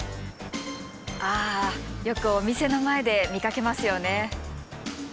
あよくお店の前で見かけますよね。